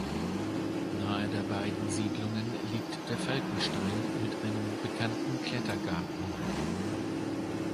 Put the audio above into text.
Nahe den beiden Siedlungen liegt der Falkenstein mit einem bekannten Klettergarten.